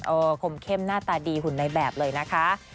คมเข้มหน้าตาดีหุ่นในแบบเลยนะคะ